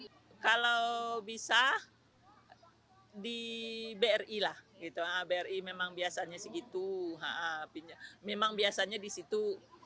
knopi kalau bisa di bri lah the bear memang biasanya segitu hapinya memang biasanya disitu